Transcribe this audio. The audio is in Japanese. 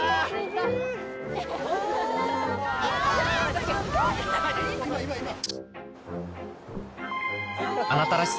はい。